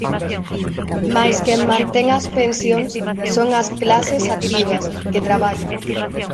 Mais quen mantén as pensións son as clases activas, que traballan.